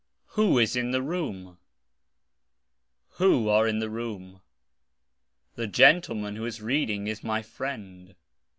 Who is in the room ? Who are in the room ? The gentle man who is reading is my friend.